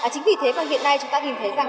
chính vì thế mà hiện nay chúng ta nhìn thấy rằng